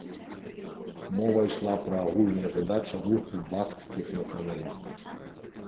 Мова ішла пра агульныя задачы руху баскскіх нацыяналістаў.